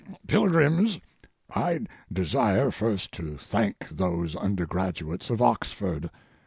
Pilgrims, I desire first to thank those undergraduates of Oxford.